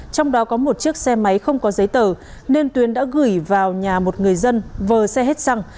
trong đó có một chiếc xe máy không có giấy tờ nên tuyến đã gửi vào nhà một người dân vờ xe hết xăng